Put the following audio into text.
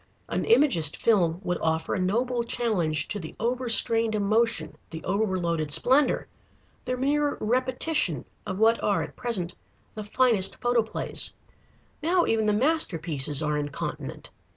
An Imagist film would offer a noble challenge to the overstrained emotion, the over loaded splendor, the mere repetition of what are at present the finest photoplays. Now even the masterpieces are incontinent.